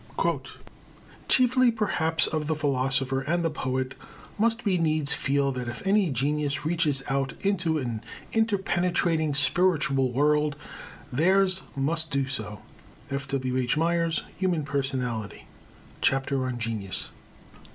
Chiefly, perhaps, of the philosopher and the poet must we needs feel that if any genius reaches out into an interpenetrating spiritual world, theirs must do so. F.W.H. MYERS, Human Personality, Chapter on Genius.